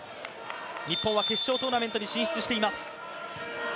日本は決勝トーナメントに進出しています。